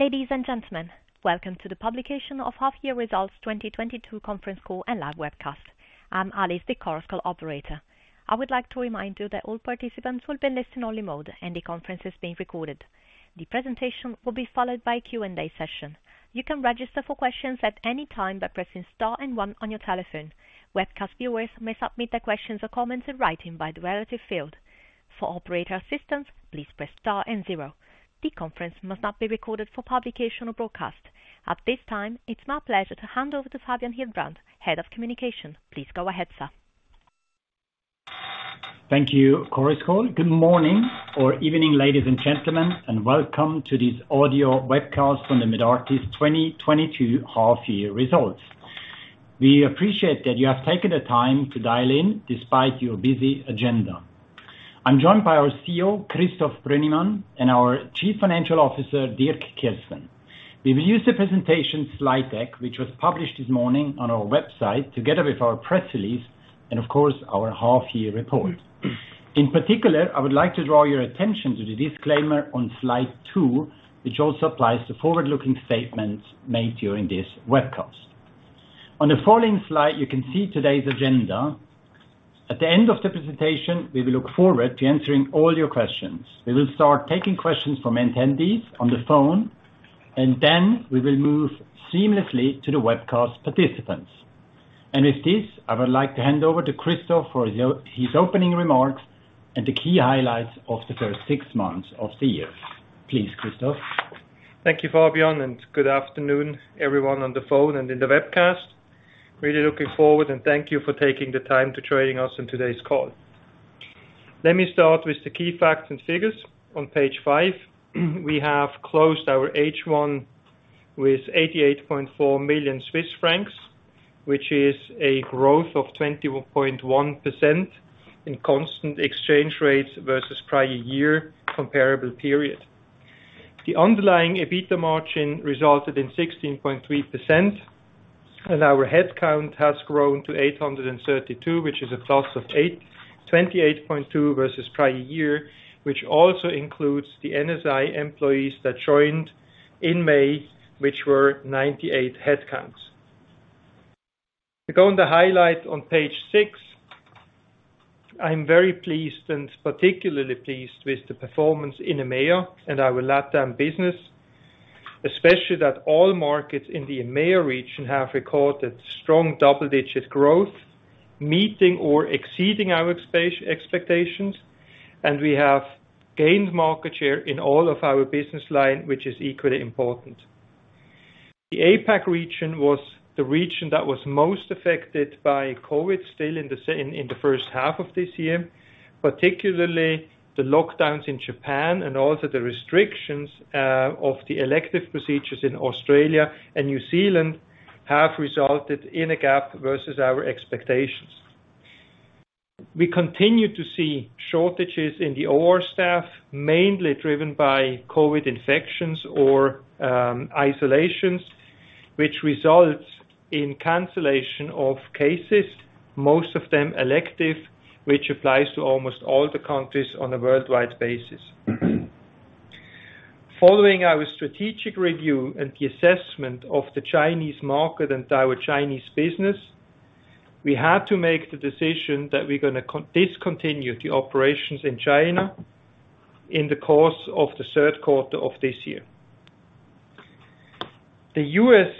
Ladies and gentlemen, welcome to the publication of half-year results 2022 conference call and live webcast. I'm Alice, the Chorus Call operator. I would like to remind you that all participants will be in listen-only mode and the conference is being recorded. The presentation will be followed by a Q&A session. You can register for questions at any time by pressing star and one on your telephone. Webcast viewers may submit their questions or comments in writing by the relative field. For operator assistance, please press star and zero. The conference must not be recorded for publication or broadcast. At this time, it's my pleasure to hand over to Fabian Hildbrand, Head of Communications. Please go ahead, sir. Thank you, Chorus Call. Good morning or evening, ladies and gentlemen, and welcome to this audio webcast on the Medartis 2022 half-year results. We appreciate that you have taken the time to dial in despite your busy agenda. I'm joined by our CEO, Christoph Brönnimann, and our Chief Financial Officer, Dirk Kirsten. We will use the presentation slide deck, which was published this morning on our website, together with our press release and of course our half-year report. In particular, I would like to draw your attention to the disclaimer on slide two, which also applies to forward-looking statements made during this webcast. On the following slide, you can see today's agenda. At the end of the presentation, we will look forward to answering all your questions. We will start taking questions from attendees on the phone, and then we will move seamlessly to the webcast participants. With this, I would like to hand over to Christoph for his opening remarks and the key highlights of the first six months of the year. Please, Christoph. Thank you, Fabian, and good afternoon everyone on the phone and in the webcast. Really looking forward and thank you for taking the time to joining us on today's call. Let me start with the key facts and figures on page five. We have closed our H1 with 88.4 million Swiss francs, which is a growth of 21.1% in constant exchange rates versus prior year comparable period. The underlying EBITDA margin resulted in 16.3%, and our headcount has grown to 832, which is a plus of 28.2% versus prior year, which also includes the NSI employees that joined in May, which were 98 headcounts. To go on the highlight on page six, I'm very pleased and particularly pleased with the performance in EMEA and our LatAm business, especially that all markets in the EMEA region have recorded strong double-digit growth, meeting or exceeding our expectations, and we have gained market share in all of our business line, which is equally important. The APAC region was the region that was most affected by COVID still in the first half of this year, particularly the lockdowns in Japan and also the restrictions of the elective procedures in Australia and New Zealand have resulted in a gap versus our expectations. We continue to see shortages in the OR staff, mainly driven by COVID infections or isolations, which results in cancellation of cases, most of them elective, which applies to almost all the countries on a worldwide basis. Following our strategic review and the assessment of the Chinese market and our Chinese business, we had to make the decision that we're gonna discontinue the operations in China in the course of the third quarter of this year. The U.S.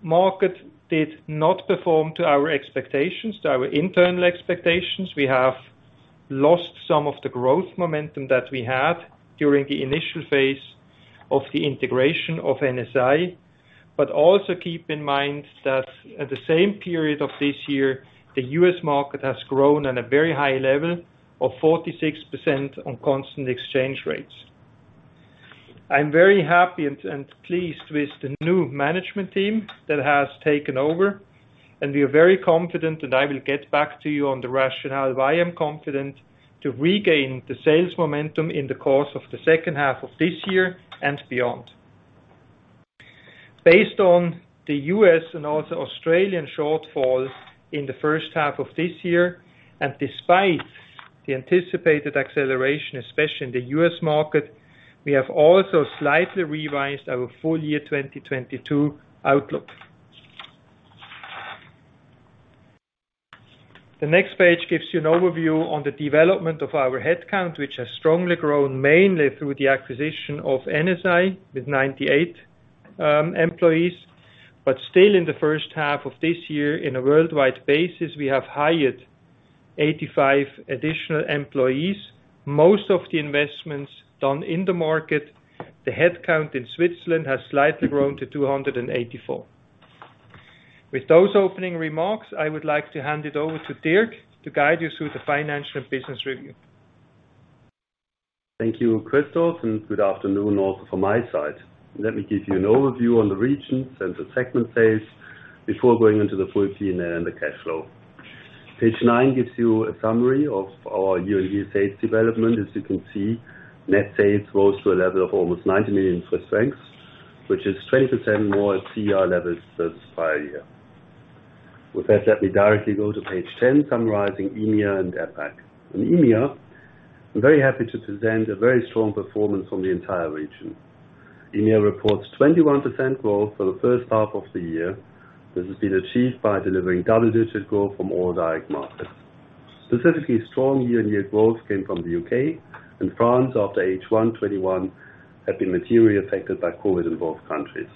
market did not perform to our expectations, to our internal expectations. We have lost some of the growth momentum that we had during the initial phase of the integration of NSI. Also keep in mind that at the same period of this year, the U.S. market has grown at a very high level of 46% on constant exchange rates. I'm very happy and pleased with the new management team that has taken over, and we are very confident, and I will get back to you on the rationale. I am confident to regain the sales momentum in the course of the second half of this year and beyond. Based on the U.S. and also Australian shortfalls in the first half of this year, and despite the anticipated acceleration, especially in the U.S. market, we have also slightly revised our full year 2022 outlook. The next page gives you an overview on the development of our headcount, which has strongly grown mainly through the acquisition of NSI with 98 employees. Still in the first half of this year, in a worldwide basis, we have hired 85 additional employees, most of the investments done in the market. The headcount in Switzerland has slightly grown to 284. With those opening remarks, I would like to hand it over to Dirk to guide you through the financial and business review. Thank you, Christoph, and good afternoon also from my side. Let me give you an overview on the regions and the segment sales before going into the full P&L and the cash flow. Page nine gives you a summary of our year-on-year sales development. As you can see, net sales rose to a level of almost 90 million Swiss francs, which is 20% more at CER levels than prior year. With that said, we directly go to page 10 summarizing EMEA and APAC. In EMEA, I'm very happy to present a very strong performance from the entire region. EMEA reports 21% growth for the first half of the year. This has been achieved by delivering double-digit growth from all direct markets. Specifically, strong year-on-year growth came from the U.K. and France after H1 2021 had been materially affected by COVID in both countries.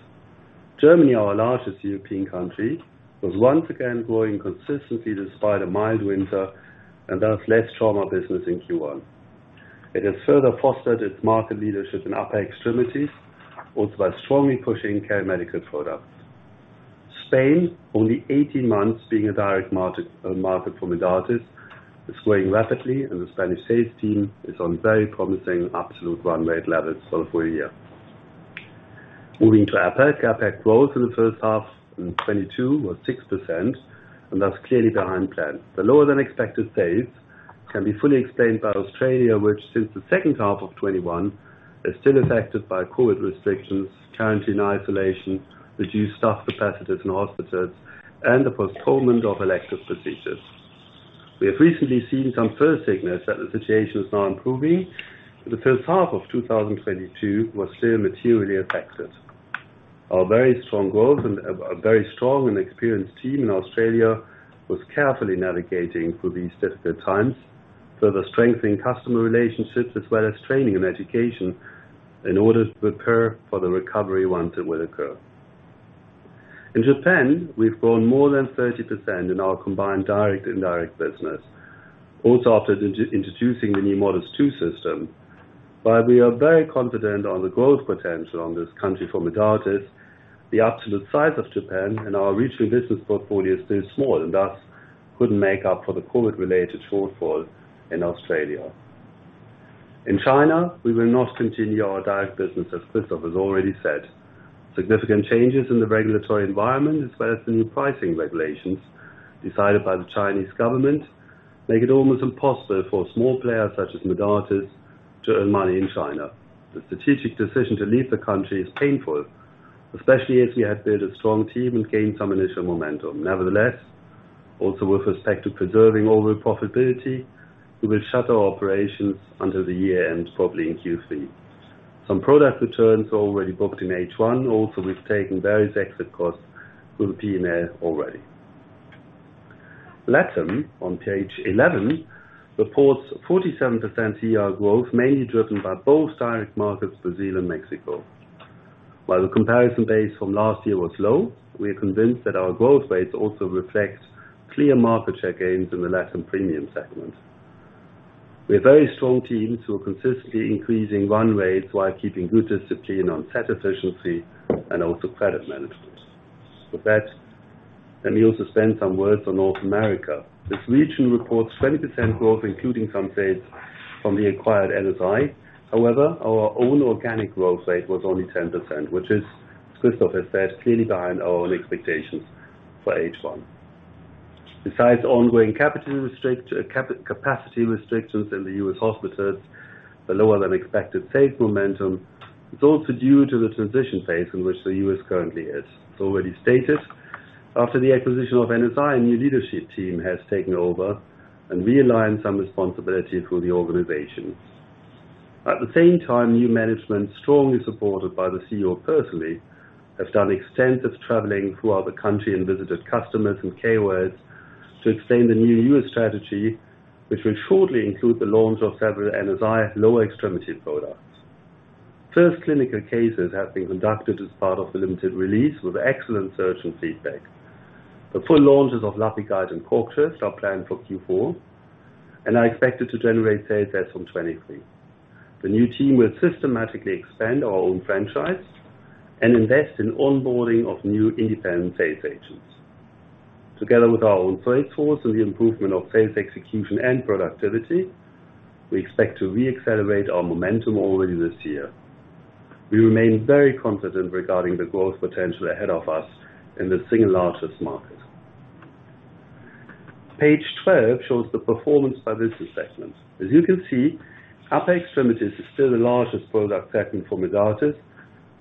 Germany, our largest European country, was once again growing consistently despite a mild winter and thus less trauma business in Q1. It has further fostered its market leadership in upper extremities, also by strongly pushing KeriMedical products. Spain, only 18 months being a direct market for Medartis, is growing rapidly and the Spanish sales team is on very promising absolute run rate levels for the full year. Moving to APAC. APAC growth in the first half in 2022 was 6% and that's clearly behind plan. The lower than expected sales can be fully explained by Australia, which since the second half of 2021 is still affected by COVID restrictions, quarantine isolation, reduced staff capacities in hospitals, and the postponement of elective procedures. We have recently seen some first signals that the situation is now improving, but the first half of 2022 was still materially affected. Our very strong growth and a very strong and experienced team in Australia was carefully navigating through these difficult times, further strengthening customer relationships as well as training and education in order to prepare for the recovery once it will occur. In Japan, we've grown more than 30% in our combined direct indirect business, also after introducing the new MODUS 2 system. While we are very confident in the growth potential in this country for Medartis, the absolute size of Japan and our regional business portfolio is still small and thus couldn't make up for the COVID-related shortfall in Australia. In China, we will not continue our direct business as Christoph has already said. Significant changes in the regulatory environment as well as the new pricing regulations decided by the Chinese government make it almost impossible for small players such as Medartis to earn money in China. The strategic decision to leave the country is painful, especially as we have built a strong team and gained some initial momentum. Nevertheless, also with respect to preserving overall profitability, we will shut our operations by the end of the year and probably in Q3. Some product returns already booked in H1, also we've taken various exit costs through the P&L already. LatAm, on page 11, reports 47% CER growth, mainly driven by both direct markets, Brazil and Mexico. While the comparison base from last year was low, we are convinced that our growth rates also reflect clear market share gains in the LatAm premium segment. We have very strong teams who are consistently increasing run rates while keeping good discipline on set efficiency and also credit management. With that, let me also spend some words on North America. This region reports 20% growth, including some sales from the acquired NSI. However, our own organic growth rate was only 10%, which is, as Christoph has said, clearly behind our own expectations for H1. Besides ongoing capacity restrictions in the U.S. hospitals, the lower than expected sales momentum is also due to the transition phase in which the U.S. currently is. As already stated, after the acquisition of NSI, a new leadership team has taken over and realigned some responsibility through the organization. At the same time, new management, strongly supported by the CEO personally, have done extensive traveling throughout the country and visited customers and KOLs to explain the new US strategy, which will shortly include the launch of several NSI lower extremity products. First clinical cases have been conducted as part of the limited release with excellent surgeon feedback. The full launches of LapiPrep and Corkscrew are planned for Q4 and are expected to generate sales as from 2023. The new team will systematically expand our own franchise and invest in onboarding of new independent sales agents. Together with our own sales force and the improvement of sales execution and productivity, we expect to re-accelerate our momentum already this year. We remain very confident regarding the growth potential ahead of us in the second-largest market. Page 12 shows the performance by business segments. As you can see, upper extremities is still the largest product segment for Medartis,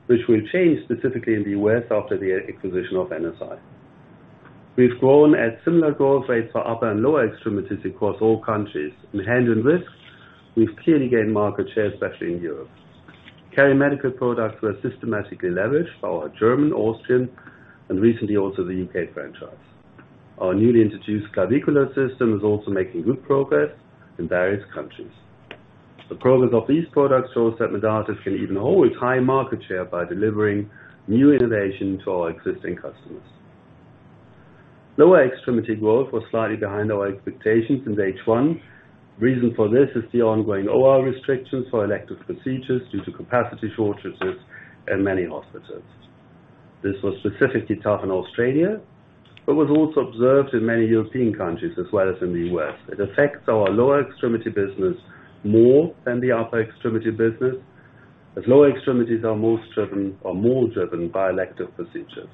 which will change specifically in the U.S. after the acquisition of NSI. We've grown at similar growth rates for upper and lower extremities across all countries. In hand and wrist, we've clearly gained market share, especially in Europe. KeriMedical products were systematically leveraged for our German, Austrian, and recently also the U.K. franchise. Our newly introduced clavicular system is also making good progress in various countries. The progress of these products shows that Medartis can even hold high market share by delivering new innovation to our existing customers. Lower extremity growth was slightly behind our expectations in H1. Reason for this is the ongoing OR restrictions for elective procedures due to capacity shortages in many hospitals. This was specifically tough in Australia, but was also observed in many European countries as well as in the U.S. It affects our lower extremity business more than the upper extremity business, as lower extremities are most driven or more driven by elective procedures.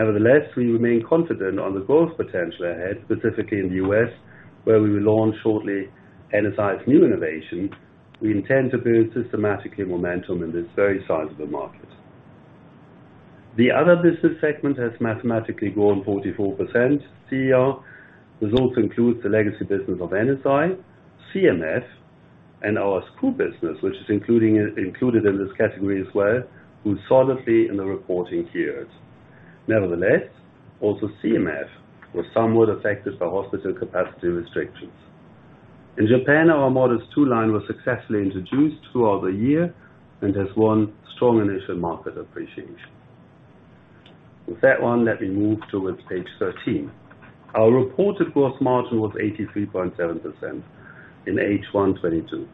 Nevertheless, we remain confident on the growth potential ahead, specifically in the U.S., where we will launch shortly NSI's new innovation. We intend to build systematically momentum in this very sizable market. The other business segment has mathematically grown 44% CER. This also includes the legacy business of NSI, CMF, and our screw business, which is included in this category as well, grew solidly in the reporting years. Nevertheless, also CMF was somewhat affected by hospital capacity restrictions. In Japan, our MODUS 2 line was successfully introduced throughout the year and has won strong initial market appreciation. With that one, let me move towards page 13. Our reported gross margin was 83.7% in H1 2022,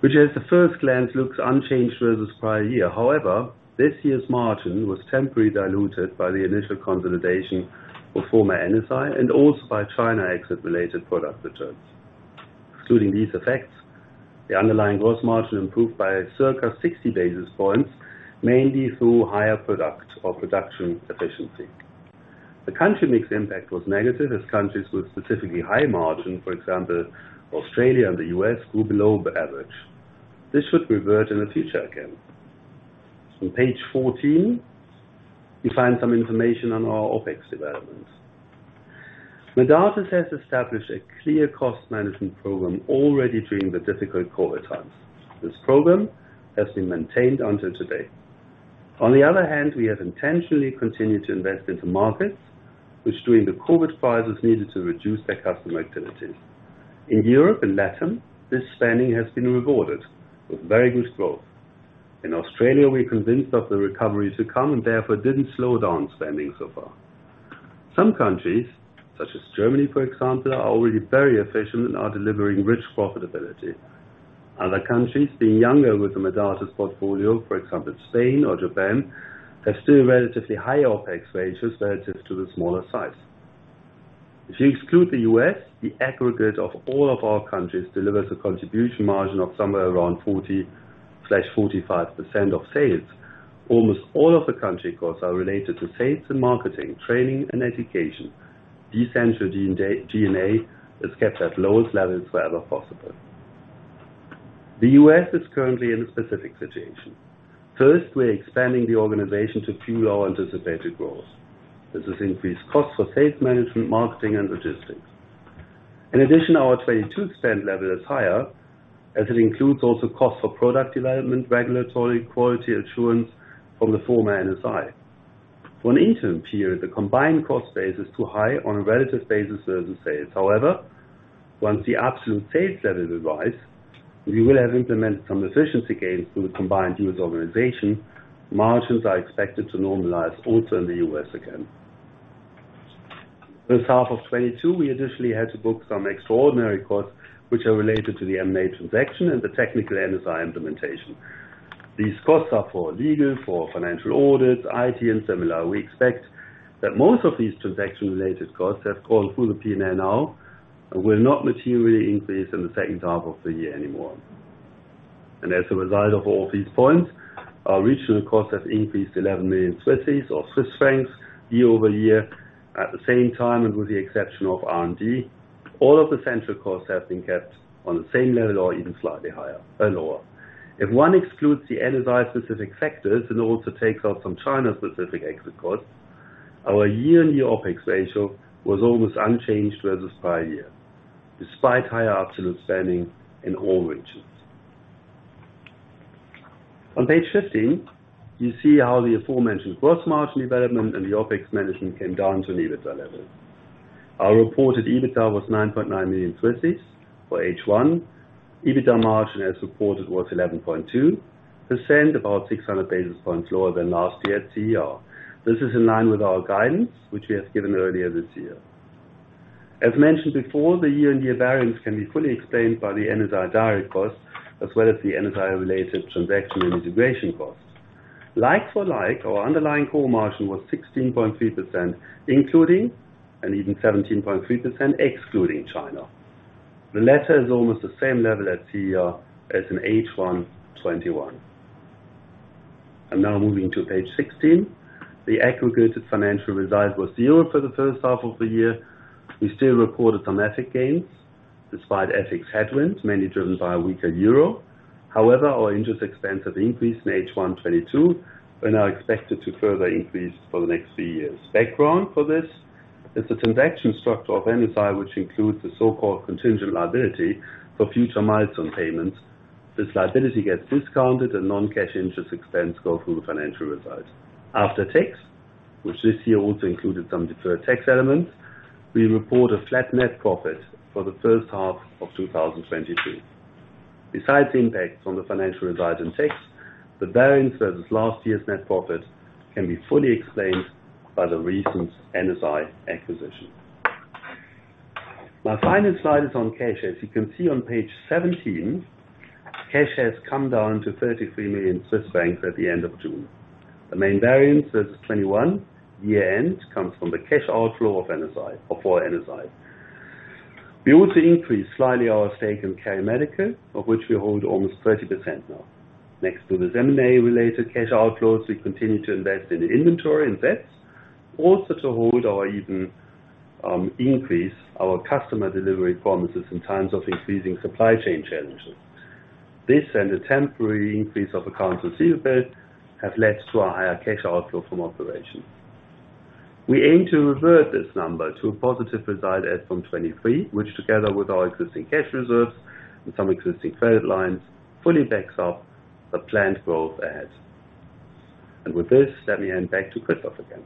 which at the first glance looks unchanged versus prior year. However, this year's margin was temporarily diluted by the initial consolidation of former NSI and also by China exit-related product returns. Excluding these effects, the underlying gross margin improved by circa 60 basis points, mainly through higher product or production efficiency. The country mix impact was negative as countries with specifically high margin, for example, Australia and the U.S., grew below the average. This should revert in the future again. On page 14, you find some information on our OpEx developments. Medartis has established a clear cost management program already during the difficult COVID times. This program has been maintained until today. On the other hand, we have intentionally continued to invest into markets which during the COVID crisis needed to reduce their customer activity. In Europe and LATAM, this spending has been rewarded with very good growth. In Australia, we're convinced of the recovery to come and therefore didn't slow down spending so far. Some countries, such as Germany, for example, are already very efficient and are delivering rich profitability. Other countries being younger within the Medartis's portfolio, for example, Spain or Japan, have still relatively high OpEx ratios relative to the smaller size. If you exclude the U.S., the aggregate of all of our countries delivers a contribution margin of somewhere around 40%-45% of sales. Almost all of the country costs are related to sales and marketing, training and education. Essential G&A is kept at lowest levels wherever possible. The U.S. is currently in a specific situation. First, we're expanding the organization to fuel our anticipated growth. This has increased costs for sales management, marketing, and logistics. In addition, our trade spend level is higher as it includes also costs for product development, regulatory quality assurance from the former NSI. For an interim period, the combined cost base is too high on a relative basis versus sales. However, once the absolute sales level rise, we will have implemented some efficiency gains through the combined U.S. organization. Margins are expected to normalize also in the U.S. again. This half of 2022, we additionally had to book some extraordinary costs which are related to the M&A transaction and the technical NSI implementation. These costs are for legal, for financial audits, IT and similar. We expect that most of these transaction related costs have gone through the P&L now and will not materially increase in the second half of the year anymore. As a result of all these points, our regional costs have increased 11 million Swiss francs year over year. At the same time, and with the exception of R&D, all of the central costs have been kept on the same level or even slightly higher, lower. If one excludes the NSI specific factors and also takes out some China-specific exit costs, our year-on-year OpEx ratio was almost unchanged versus prior year, despite higher absolute spending in all regions. On page 15, you see how the aforementioned gross margin development and the OpEx management came down to an EBITDA level. Our reported EBITDA was 9.9 million for H1. EBITDA margin as reported was 11.2%, about 600 basis points lower than last year CER. This is in line with our guidance, which we have given earlier this year. As mentioned before, the year-on-year variance can be fully explained by the NSI direct costs as well as the NSI related transaction and integration costs. Like for like, our underlying core margin was 16.3% including and even 17.3% excluding China. The latter is almost the same level as CER as in H1 2021. Now moving to page 16. The aggregated financial result was zero for the first half of the year. We still recorded some FX gains despite FX headwinds, mainly driven by a weaker euro. However, our interest expense has increased in H1 2022 and are expected to further increase for the next few years. Background for this is the transaction structure of NSI, which includes the so-called contingent liability for future milestone payments. This liability gets discounted and non-cash interest expense go through the financial results. After tax, which this year also included some deferred tax elements, we report a flat net profit for the first half of 2022. Besides the impact on the financial result and tax, the variance versus last year's net profit can be fully explained by the recent NSI acquisition. My final slide is on cash. As you can see on page 17, cash has come down to 33 million Swiss francs at the end of June. The main variance versus 2021 year-end comes from the cash outflow of NSI, of our NSI. We also increased slightly our stake in KeriMedical, of which we hold almost 30% now. Next to this M&A related cash outflows, we continue to invest in inventory and debts also to hold or even increase our customer delivery promises in times of increasing supply chain challenges. This and the temporary increase of accounts receivable has led to a higher cash outflow from operations. We aim to revert this number to a positive result as from 2023, which together with our existing cash reserves and some existing credit lines, fully backs up the planned growth ahead. With this, let me hand back to Christoph again.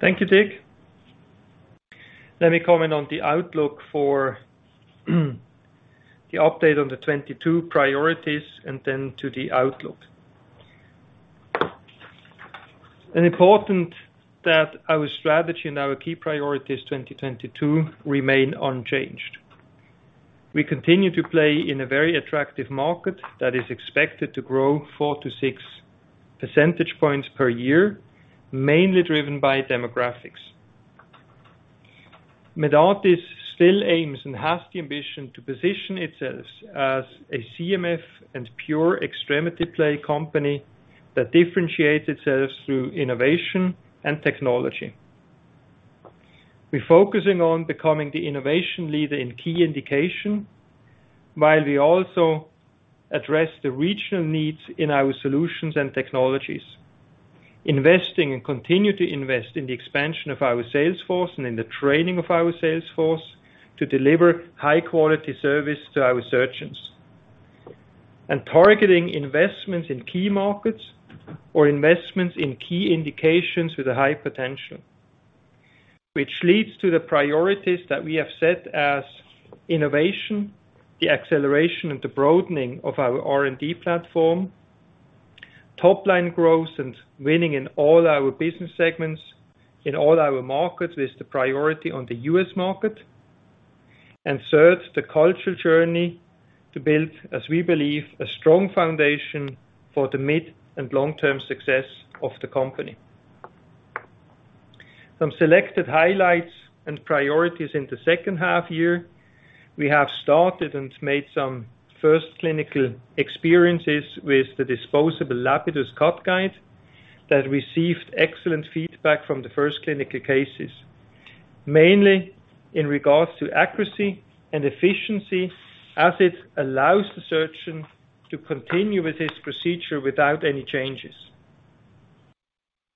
Thank you, Dirk. Let me comment on the outlook for the update on the 2022 priorities and then to the outlook. It's important that our strategy and our key priorities 2022 remain unchanged. We continue to play in a very attractive market that is expected to grow 4-6 percentage points per year, mainly driven by demographics. Medartis still aims and has the ambition to position itself as a CMF and pure extremity play company that differentiates itself through innovation and technology. We're focusing on becoming the innovation leader in key indication, while we also address the regional needs in our solutions and technologies. Investing and continue to invest in the expansion of our sales force and in the training of our sales force to deliver high-quality service to our surgeons. Targeting investments in key markets or investments in key indications with a high potential. Which leads to the priorities that we have set as innovation, the acceleration and the broadening of our R&D platform, top-line growth, and winning in all our business segments, in all our markets, with the priority on the U.S. market. Third, the cultural journey to build, as we believe, a strong foundation for the mid and long-term success of the company. Some selected highlights and priorities in the second half year. We have started and made some first clinical experiences with the disposable Lapidus Cut Guide that received excellent feedback from the first clinical cases, mainly in regards to accuracy and efficiency as it allows the surgeon to continue with his procedure without any changes.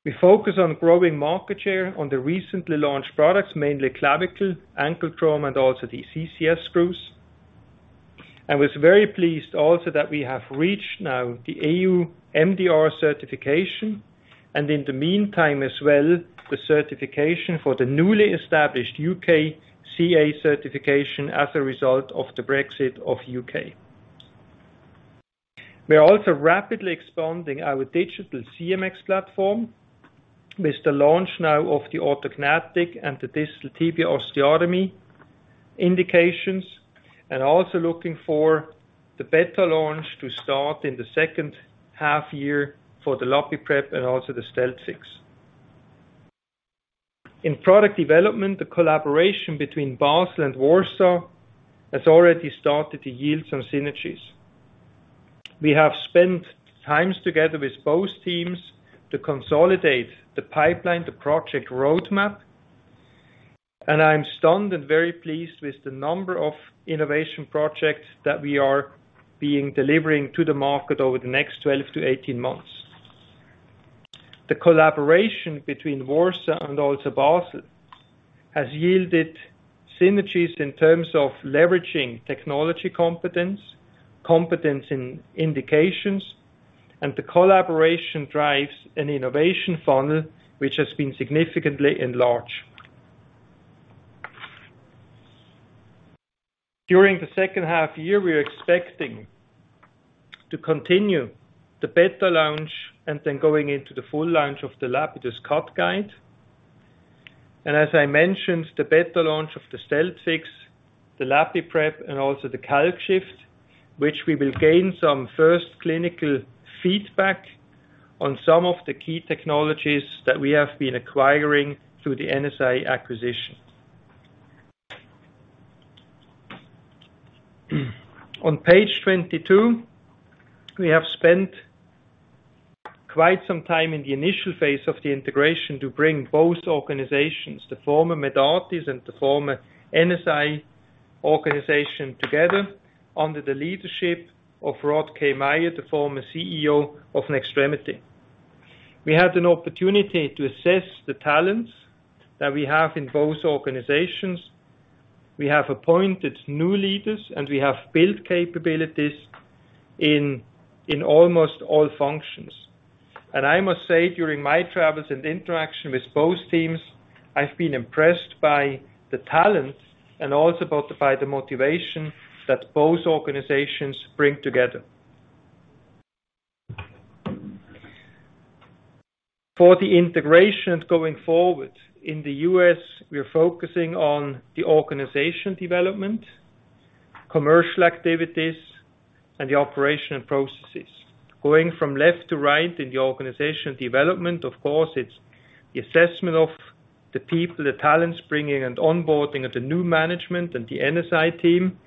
We focus on growing market share on the recently launched products, mainly clavicle, ankle trauma, and also the CCS screws. I was very pleased also that we have reached now the EU MDR certification, and in the meantime as well, the certification for the newly established UKCA certification as a result of the Brexit in the UK. We are also rapidly expanding our digital CMX platform with the launch now of the autograft and the distal tibia osteotomy indications, and also looking for the beta launch to start in the second half year for the LapiPrep and also the StealthFix. In product development, the collaboration between Basel and Warsaw has already started to yield some synergies. We have spent times together with both teams to consolidate the pipeline, the project roadmap, and I am stunned and very pleased with the number of innovation projects that we are delivering to the market over the next 12-18 months. The collaboration between Warsaw and also Basel has yielded synergies in terms of leveraging technology competence in indications, and the collaboration drives an innovation funnel, which has been significantly enlarged. During the second half year, we are expecting to continue the beta launch and then going into the full launch of the Lapidus Cut Guide. As I mentioned, the beta launch of the StealthFix, the LapiPrep, and also the CalcShift, which we will gain some first clinical feedback on some of the key technologies that we have been acquiring through the NSI acquisition. On page 22, we have spent quite some time in the initial phase of the integration to bring both organizations, the former Medartis and the former NSI organization together under the leadership of Rod K. Mayer, the former CEO of Nextremity. We had an opportunity to assess the talents that we have in both organizations. We have appointed new leaders, and we have built capabilities in almost all functions. I must say, during my travels and interaction with both teams, I've been impressed by the talent and also by the motivation that both organizations bring together. For the integration going forward in the U.S., we are focusing on the organization development, commercial activities, and the operational processes. Going from left to right in the organization development, of course, it's the assessment of the people, the talents bringing and onboarding of the new management and the NSI team.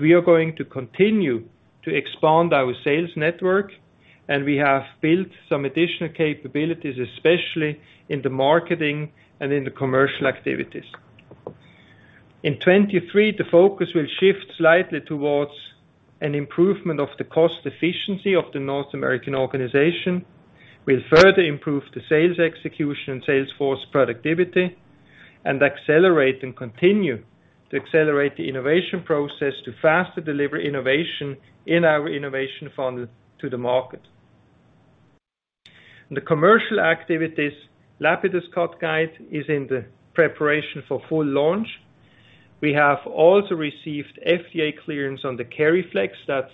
We are going to continue to expand our sales network. We have built some additional capabilities, especially in the marketing and in the commercial activities. In 2023, the focus will shift slightly towards an improvement of the cost efficiency of the North American organization. We'll further improve the sales execution, sales force productivity, and accelerate and continue to accelerate the innovation process to faster deliver innovation in our innovation funnel to the market. The commercial activities, Lapidus Cut Guide is in the preparation for full launch. We have also received FDA clearance on the KeriFlex. That's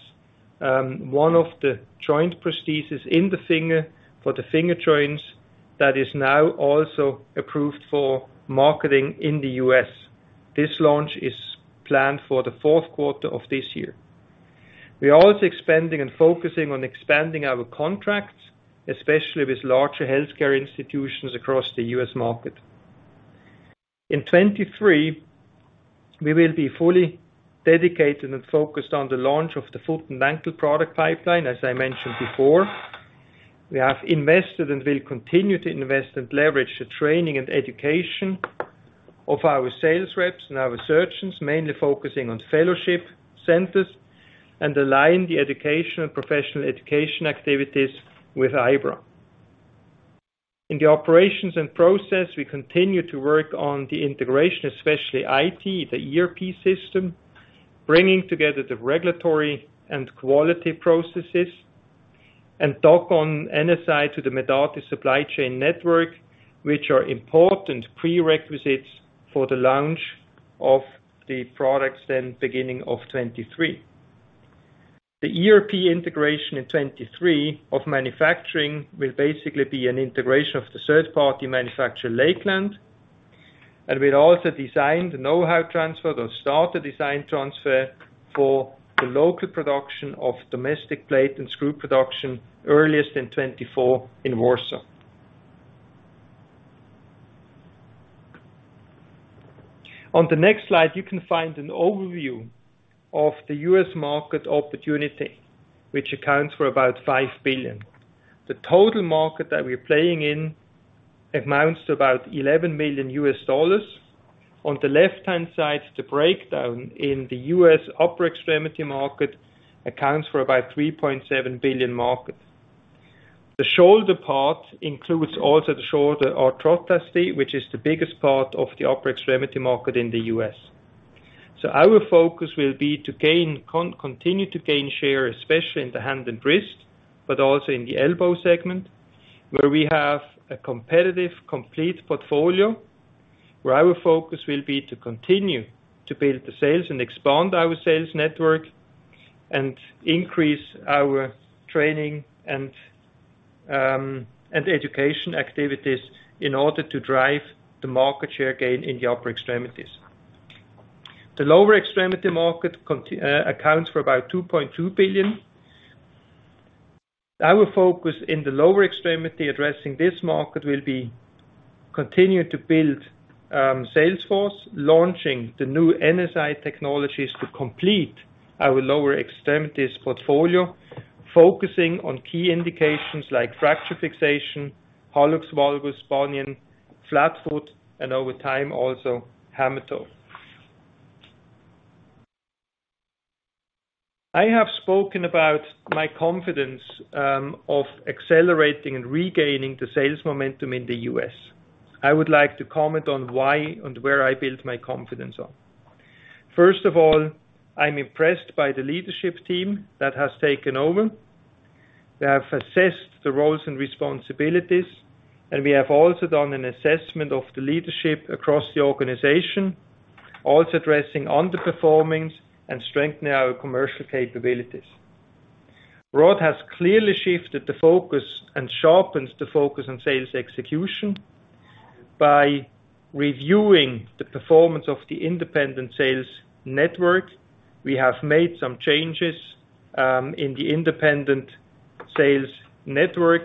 one of the joint prosthesis in the finger for the finger joints that is now also approved for marketing in the U.S. This launch is planned for the fourth quarter of this year. We are also expanding and focusing on expanding our contracts, especially with larger healthcare institutions across the U.S. market. In 2023, we will be fully dedicated and focused on the launch of the foot and ankle product pipeline, as I mentioned before. We have invested and will continue to invest and leverage the training and education of our sales reps and our surgeons, mainly focusing on fellowship centers and align the education and professional education activities with IBRA. In the operations and process, we continue to work on the integration, especially IT, the ERP system, bringing together the regulatory and quality processes and dock on NSI to the Medartis supply chain network, which are important prerequisites for the launch of the products in beginning of 2023. The ERP integration in 2023 of manufacturing will basically be an integration of the third-party manufacturer, Lakeland. We'll also design the know-how transfer or start the design transfer for the local production of domestic plate and screw production earliest in 2024 in Warsaw. On the next slide, you can find an overview of the U.S. market opportunity, which accounts for about $5 billion. The total market that we're playing in amounts to about $11 million. On the left-hand side, the breakdown in the U.S. upper extremity market accounts for about $3.7 billion market. The shoulder part includes also the shoulder arthroplasty, which is the biggest part of the upper extremity market in the U.S. Our focus will be to continue to gain share, especially in the hand and wrist, but also in the elbow segment, where we have a competitive, complete portfolio, where our focus will be to continue to build the sales and expand our sales network and increase our training and education activities in order to drive the market share gain in the upper extremities. The lower extremity market accounts for about $2.2 billion. Our focus in the lower extremity addressing this market will continue to build sales force, launching the new NSI technologies to complete our lower extremities portfolio, focusing on key indications like fracture fixation, hallux valgus, bunion, flat foot, and over time, also Charcot. I have spoken about my confidence of accelerating and regaining the sales momentum in the U.S. I would like to comment on why and where I built my confidence on. First of all, I'm impressed by the leadership team that has taken over. They have assessed the roles and responsibilities, and we have also done an assessment of the leadership across the organization, also addressing underperforming and strengthening our commercial capabilities. Rod has clearly shifted the focus and sharpens the focus on sales execution. By reviewing the performance of the independent sales network, we have made some changes in the independent sales network.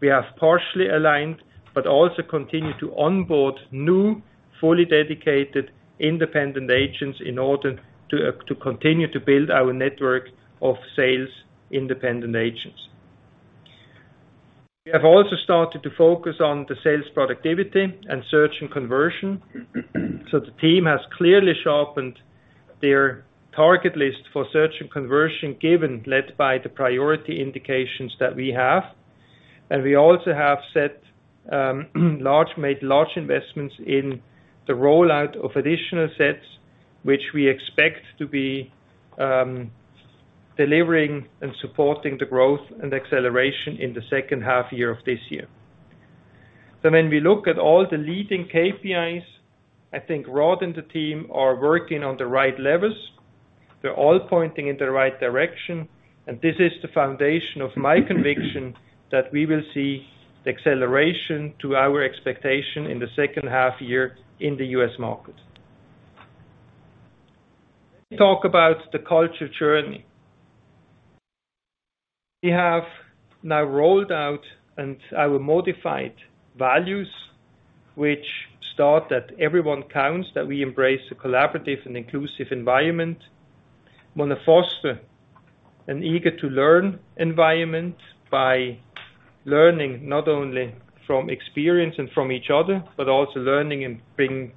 We have partially aligned but also continue to onboard new, fully dedicated independent agents in order to continue to build our network of sales independent agents. We have also started to focus on the sales productivity and search and conversion. The team has clearly sharpened their target list for search and conversion, given, led by the priority indications that we have. We also have made large investments in the rollout of additional sets, which we expect to be delivering and supporting the growth and acceleration in the second half year of this year. When we look at all the leading KPIs, I think Rod and the team are working on the right levels. They're all pointing in the right direction. This is the foundation of my conviction that we will see acceleration to our expectation in the second half year in the U.S. market. Talk about the culture journey. We have now rolled out our modified values which state that everyone counts, that we embrace a collaborative and inclusive environment. Want to foster an eager to learn environment by learning not only from experience and from each other, but also learning in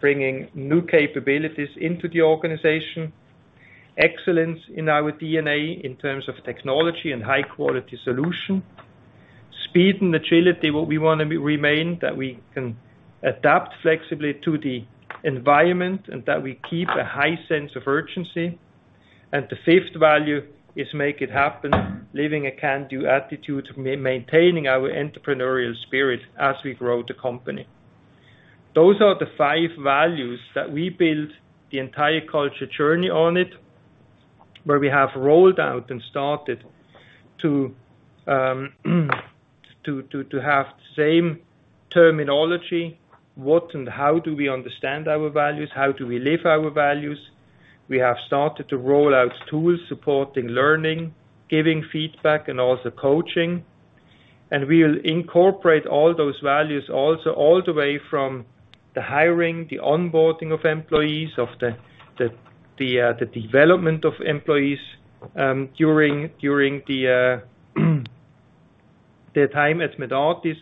bringing new capabilities into the organization. Excellence in our DNA in terms of technology and high quality solution. Speed and agility, what we wanna remain, that we can adapt flexibly to the environment and that we keep a high sense of urgency. The fifth value is make it happen, living a can-do attitude, maintaining our entrepreneurial spirit as we grow the company. Those are the five values that we build the entire culture journey on it, where we have rolled out and started to have the same terminology, what and how do we understand our values, how do we live our values. We have started to roll out tools supporting learning, giving feedback, and also coaching. We'll incorporate all those values also all the way from the hiring, the onboarding of employees, of the development of employees, during the time at Medartis.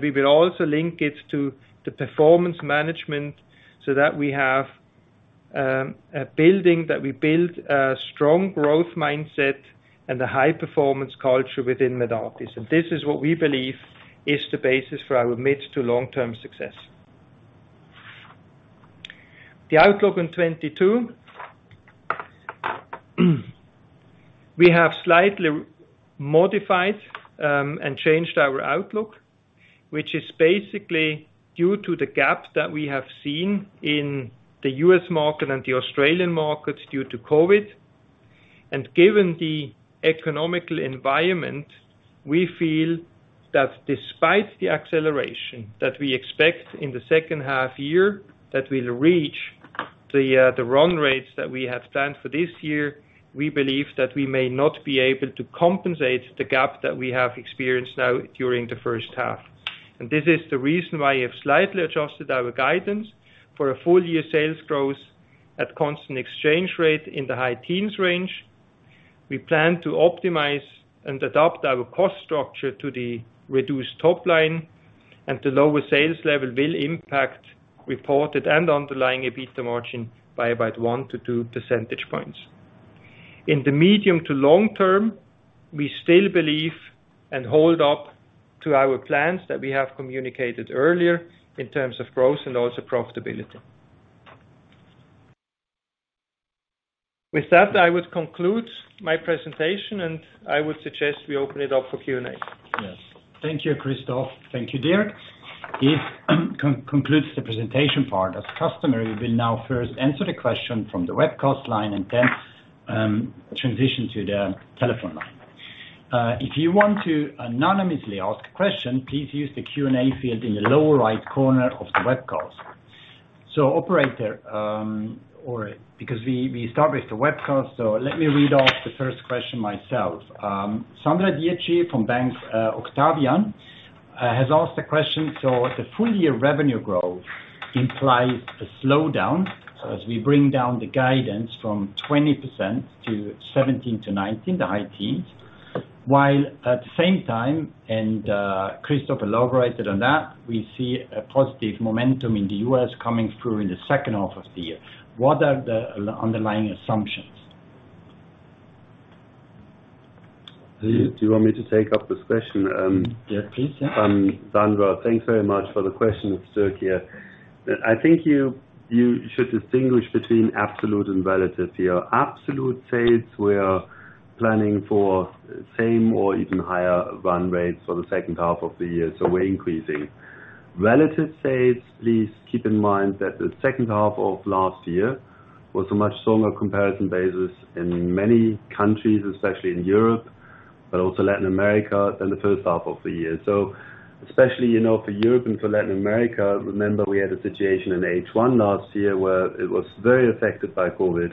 We will also link it to the performance management so that we have a building that we build a strong growth mindset and a high performance culture within Medartis. This is what we believe is the basis for our mid to long-term success. The outlook in 2022. We have slightly modified and changed our outlook, which is basically due to the gaps that we have seen in the U.S. market and the Australian markets due to COVID. Given the economic environment, we feel that despite the acceleration that we expect in the second half year, we'll reach the run rates that we have planned for this year. We believe that we may not be able to compensate the gap that we have experienced now during the first half. This is the reason why we have slightly adjusted our guidance for a full-year sales growth at constant exchange rate in the high teens range. We plan to optimize and adapt our cost structure to the reduced top line, and the lower sales level will impact reported and underlying EBITDA margin by about 1-2 percentage points. In the medium to long term, we still believe and hold up to our plans that we have communicated earlier in terms of growth and also profitability. With that, I would conclude my presentation, and I would suggest we open it up for Q&A. Yes. Thank you, Christoph. Thank you, Dirk. This concludes the presentation part. As customary, we'll now first answer the question from the webcast line and then transition to the telephone line. If you want to anonymously ask a question, please use the Q&A field in the lower right corner of the webcast. Operator, or because we established the webcast, let me read off the first question myself. Sandra Dietschy from Vontobel has asked the question: The full year revenue growth implies a slowdown as we bring down the guidance from 20% to 17%-19%, the high teens. While at the same time, and Christoph elaborated on that, we see a positive momentum in the US coming through in the second half of the year. What are the underlying assumptions? Do you want me to take up this question? Yeah, please. Yeah. Sandra, thanks very much for the question. It's Dirk here. I think you should distinguish between absolute and relative here. Absolute sales, we are planning for same or even higher run rates for the second half of the year, so we're increasing. Relative sales, please keep in mind that the second half of last year was a much stronger comparison basis in many countries, especially in Europe, but also Latin America, than the first half of the year. Especially, you know, for Europe and for Latin America, remember we had a situation in H1 last year where it was very affected by COVID,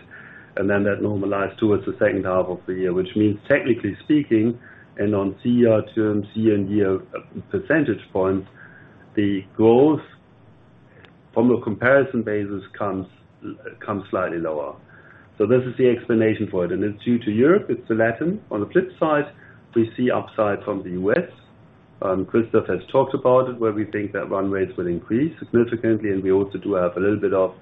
and then that normalized towards the second half of the year. Which means technically speaking, and on CER terms, year-and-year percentage points, the growth from a comparison basis comes slightly lower. This is the explanation for it. It's due to Europe, it's to Latin. On the flip side, we see upsides from the U..S, Christoph has talked about it, where we think that run rates will increase significantly and we also do have a little bit of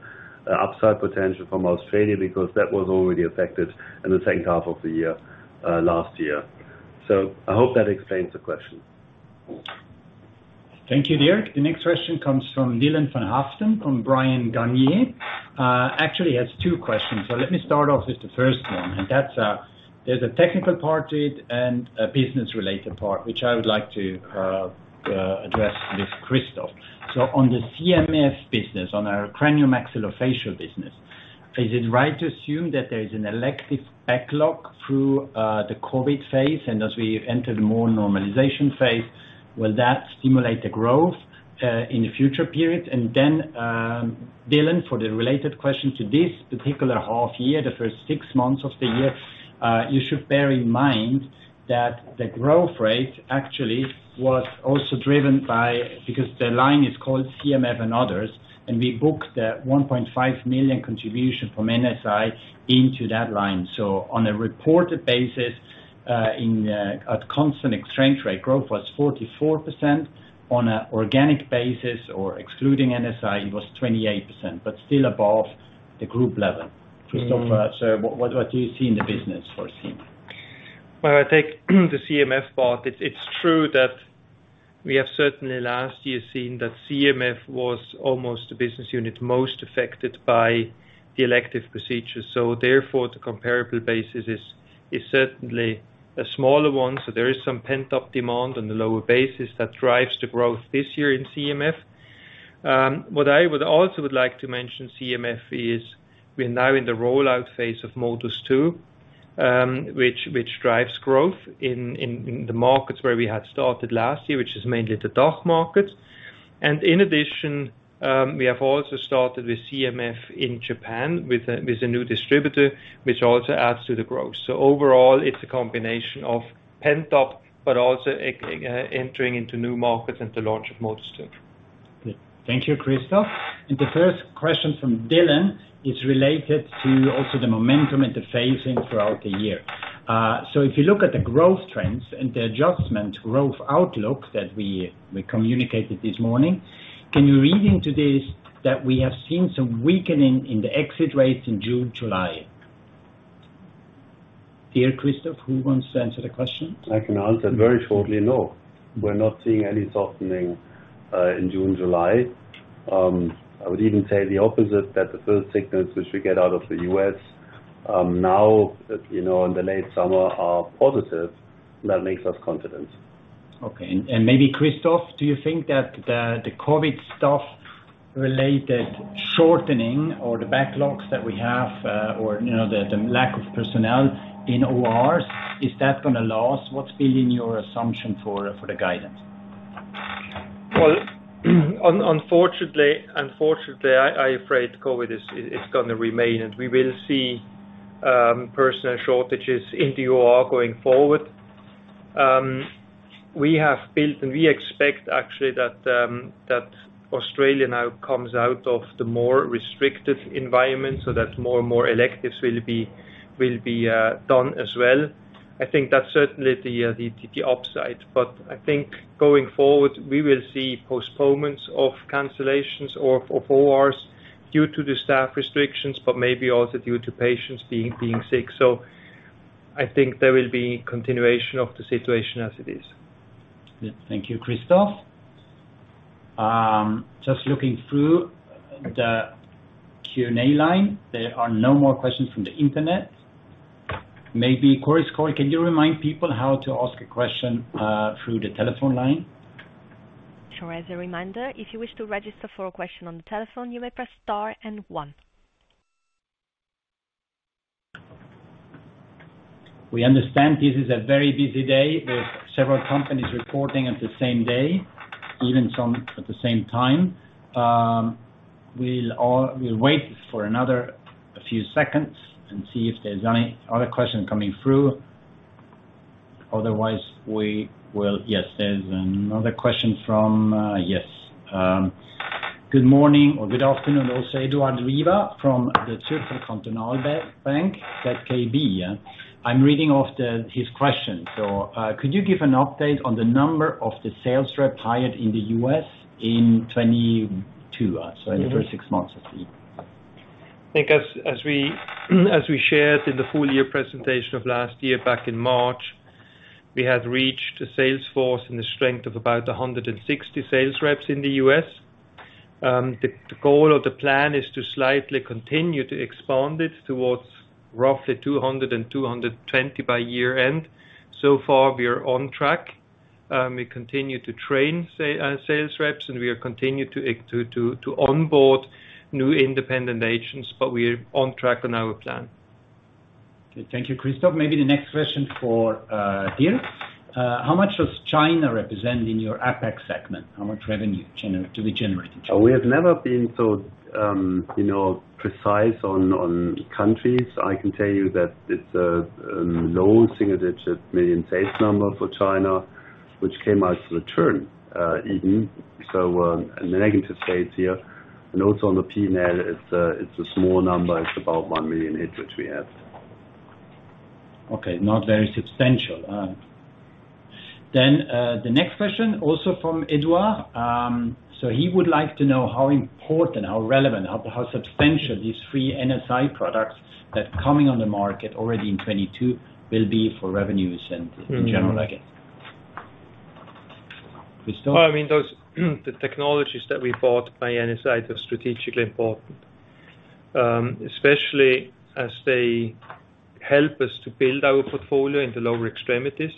upside potential from Australia because that was already affected in the second half of the year, last year. I hope that explains the question. Thank you, Dirk. The next question comes from Dylan Van Haaften from Bryan Garnier. Actually has two questions, so let me start off with the first one. That's, there's a technical part to it and a business-related part, which I would like to address with Christoph. On the CMF business, on our craniomaxillofacial business, is it right to assume that there is an elective backlog through the COVID phase, and as we enter the more normalization phase, will that stimulate the growth in the future period? Then, Dylan, for the related question to this particular half year, the first six months of the year, you should bear in mind that the growth rate actually was also driven by, because the line is called CMF and others, and we book the 1.5 million contribution from NSI into that line. On a reported basis, at constant exchange rate, growth was 44%. On an organic basis, or excluding NSI, it was 28%, but still above the group level. Christoph, what do you see in the business for CMF? Well, I take the CMF part. It's true that we have certainly last year seen that CMF was almost the business unit most affected by the elective procedure. Therefore, the comparable basis is certainly a smaller one. There is some pent-up demand on the lower basis that drives the growth this year in CMF. What I would also like to mention CMF is we are now in the rollout phase of MODUS 2, which drives growth in the markets where we had started last year, which is mainly the DACH markets. In addition, we have also started with CMF in Japan with a new distributor, which also adds to the growth. Overall, it's a combination of pent-up, but also entering into new markets and the launch of MODUS 2. Thank you, Christoph. The first question from Dylan is related to also the momentum and the phasing throughout the year. So if you look at the growth trends and the adjustment growth outlook that we communicated this morning, can you read into this that we have seen some weakening in the exit rates in June, July? Dirk, Christoph, who wants to answer the question? I can answer very shortly. No. We're not seeing any softening in June, July. I would even say the opposite, that the first signals which we get out of the U.S., now, you know, in the late summer are positive. That makes us confident. Okay. Maybe Christoph, do you think that the COVID stuff related shortening or the backlogs that we have, or you know, the lack of personnel in ORs, is that gonna last? What's been in your assumption for the guidance? Unfortunately, I'm afraid COVID is gonna remain, and we will see personnel shortages in the OR going forward. We have built and we expect actually that Australia now comes out of the more restrictive environment so that more and more electives will be done as well. I think that's certainly the upside. I think going forward, we will see postponements or cancellations of ORs due to the staff restrictions, but maybe also due to patients being sick. I think there will be continuation of the situation as it is. Thank you, Christoph. Just looking through the Q&A line, there are no more questions from the internet. Maybe Chorus Call, can you remind people how to ask a question through the telephone line? Sure. As a reminder, if you wish to register for a question on the telephone, you may press star and one. We understand this is a very busy day. There's several companies reporting at the same day, even some at the same time. We'll wait for another few seconds and see if there's any other question coming through. Otherwise, we will. Yes, there's another question from. Yes. Good morning or good afternoon, also Daniel Jelovcan from the Zürcher Kantonalbank (ZKB), yeah. I'm reading off his question. Could you give an update on the number of the sales rep hired in the U.S. in 2022, so in the first six months of the year? I think as we shared in the full year presentation of last year back in March, we had reached a sales force in the strength of about 160 sales reps in the U.S. The goal or the plan is to slightly continue to expand it towards roughly 200-220 by year-end. So far, we are on track. We continue to train sales reps, and we are continuing to onboard new independent agents, but we are on track on our plan. Okay. Thank you, Christoph. Maybe the next question for Dirk. How much does China represent in your APAC segment? How much revenue do we generate in China? We have never been so precise on countries. I can tell you that it's a low single-digit million CHF sales number for China, which came out even. A negative sales year. Also on the P&L, it's a small number. It's about 1 million which we have. Okay. Not very substantial. The next question also from Daniel Jelovcan. He would like to know how important, how relevant, how substantial these three NSI products that coming on the market already in 2022 will be for revenues and in general, I guess? Christoph Brönnimann. Well, I mean, those technologies that we bought from NSI are strategically important, especially as they help us to build our portfolio in the lower extremities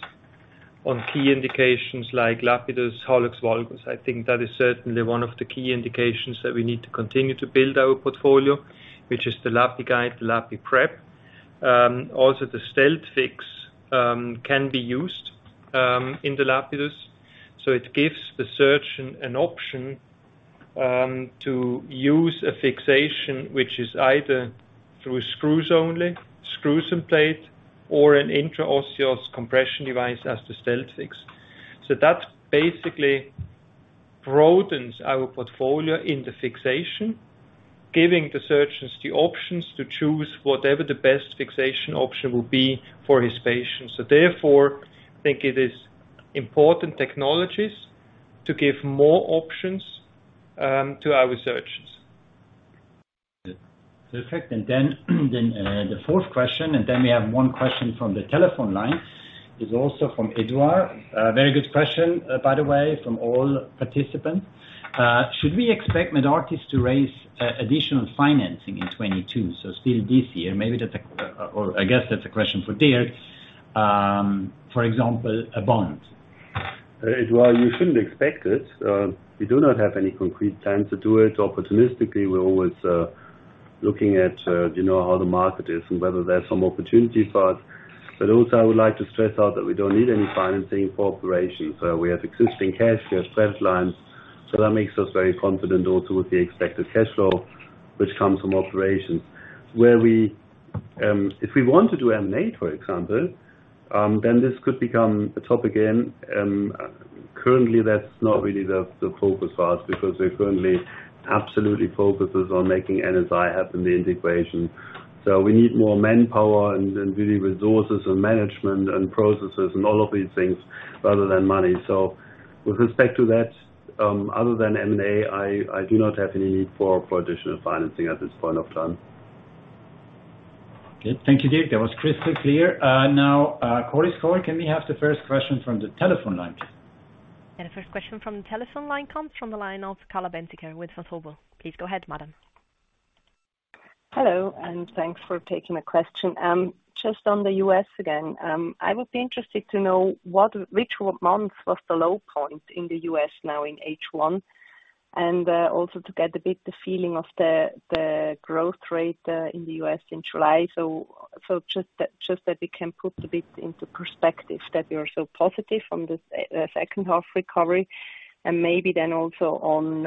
on key indications like Lapidus, hallux valgus. I think that is certainly one of the key indications that we need to continue to build our portfolio, which is the Lapidus Cut Guide, LapiPrep, also the StealthFix, can be used in the Lapidus. It gives the surgeon an option to use a fixation which is either through screws only, screws and plate, or an intraosseous compression device as the StealthFix. That basically broadens our portfolio in the fixation, giving the surgeons the options to choose whatever the best fixation option will be for his patients. Therefore, I think it is important technologies to give more options to our surgeons. Good. Perfect. Then the fourth question, and then we have one question from the telephone line, is also from Eduard. A very good question, by the way, from all participants. Should we expect Medartis to raise additional financing in 2022? So still this year. Or I guess that's a question for Dirk. For example, a bond. Well, you shouldn't expect it. We do not have any concrete plan to do it. Opportunistically, we're always looking at, you know, how the market is and whether there are some opportunities for us. Also, I would like to stress out that we don't need any financing for operations. We have existing cash, we have credit lines, so that makes us very confident also with the expected cash flow which comes from operations. Where we, if we want to do M&A, for example, then this could become a topic again. Currently, that's not really the focus for us because we're currently absolutely focuses on making NSI happen, the integration. We need more manpower and really resources and management and processes and all of these things rather than money. With respect to that, other than M&A, I do not have any need for additional financing at this point of time. Okay, thank you, Dirk. That was crystal clear. Now, Chorus Call. Can we have the first question from the telephone line, please? The first question from the telephone line comes from the line of Carla Bentele with Van Lanschot Kempen. Please go ahead, madam. Hello, and thanks for taking the question. Just on the U.S. again, I would be interested to know which month was the low point in the U.S. now in H1, and also to get a bit the feeling of the growth rate in the U.S. in July? Just that we can put a bit into perspective that we are so positive from this second half recovery and maybe then also on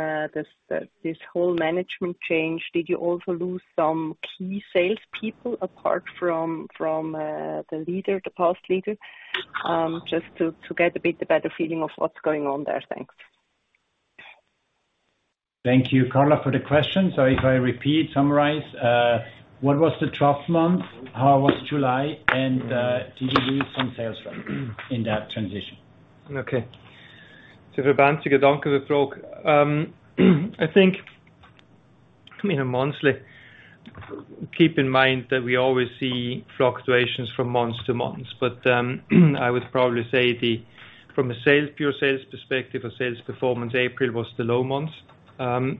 this whole management change. Did you also lose some key sales people apart from the leader, the past leader? Just to get a bit better feeling of what's going on there. Thanks. Thank you, Carla, for the question. If I repeat, summarize what was the trough month? How was July? And did you lose some sales rep in that transition? Okay.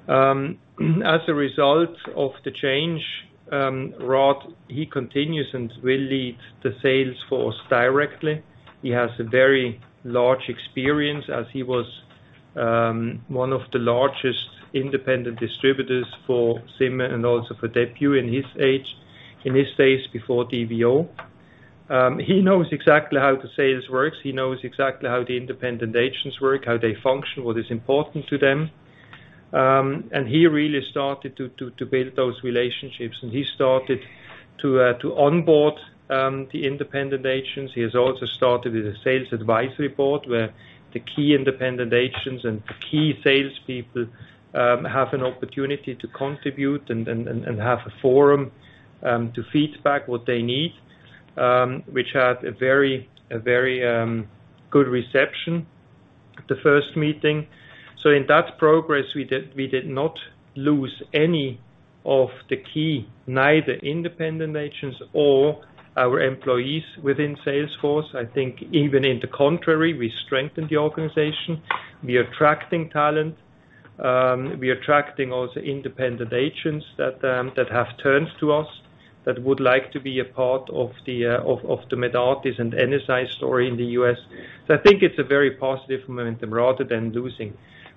For Bentele,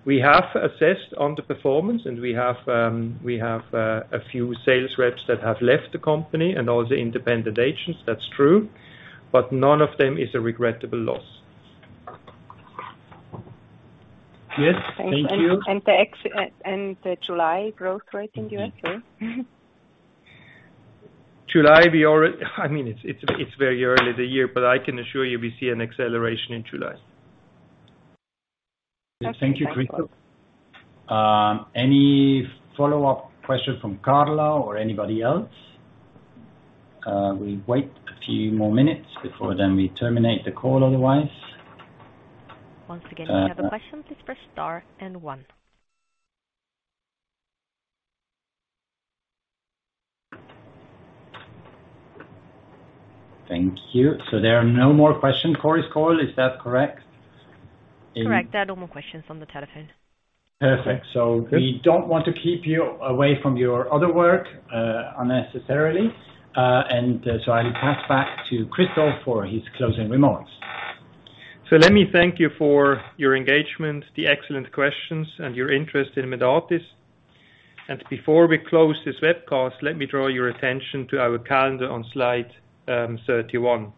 thank you. The July growth rate in U.S., please? July, I mean, it's very early in the year, but I can assure you we see an acceleration in July. Okay. Thank you. Thank you, Christoph. Any follow-up question from Carla or anybody else? We wait a few more minutes before then we terminate the call otherwise. Once again, if you have a question, please press star and one. Thank you. There are no more question, Chorus Call. Is that correct? Correct. There are no more questions on the telephone. Perfect. We don't want to keep you away from your other work unnecessarily. I'll pass back to Christoph for his closing remarks. Let me thank you for your engagement, the excellent questions, and your interest in Medartis. Before we close this webcast, let me draw your attention to our calendar on slide 31.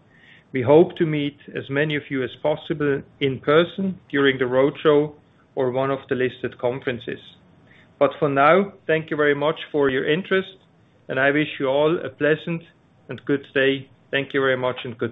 We hope to meet as many of you as possible in person during the roadshow or one of the listed conferences. For now, thank you very much for your interest, and I wish you all a pleasant and good day. Thank you very much and goodbye.